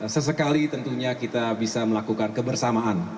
sesekali tentunya kita bisa melakukan kebersamaan